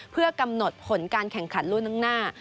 เพื่อกำหนดผลการแข่งขันล่วงหน้า